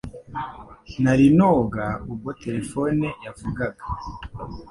Nari noga ubwo terefone yavugaga.